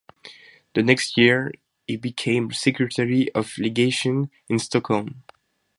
The next year, he became Secretary of Legation in Stockholm.